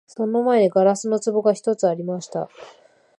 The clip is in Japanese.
その前に硝子の壺が一つありました